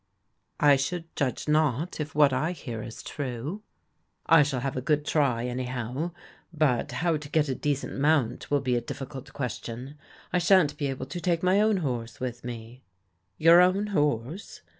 " I should judge not, if what I hear is true." " I shall have a good try, anyhow. But how to get a decent mount will be a difficult question. I shan't be able to take my own horse with me." " Your own horse